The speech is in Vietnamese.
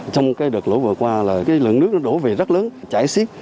trong cái đợt lũ vừa qua là cái lượng nước nó đổ về rất lớn chảy xiết